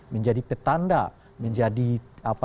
menjadi petanda menjadi apa